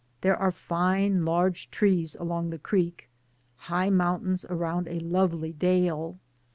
There are fine large trees along the creek, high mountains around a lovely dale.